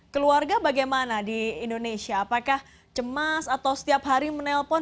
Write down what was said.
keluarga bagaimana di indonesia apakah cemas atau setiap hari menelpon